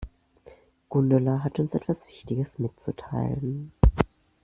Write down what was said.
Gundula hat uns etwas wichtiges mitzuteilen.